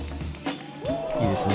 いいですね。